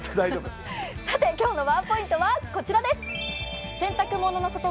さて今日のワンポイントは、こちらです。